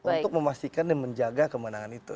untuk memastikan dan menjaga kemenangan itu